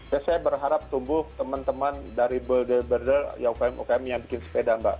saya berharap tumbuh teman teman dari boulder border yang bikin sepeda mbak